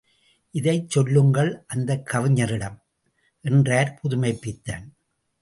இதைச் சொல்லுங்கள் அந்தக் கவிஞரிடம்! என்றார் புதுமைப் பித்தன்.